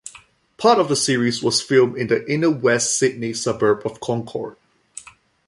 Part of the series was filmed in the inner west Sydney suburb of Concord.